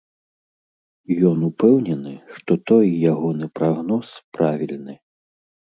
Ён упэўнены, што той ягоны прагноз правільны.